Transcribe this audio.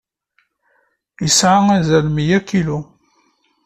Yesɛa azal n mya kilu.